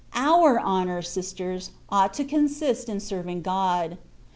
Our honour, sisters, ought to consist in serving God.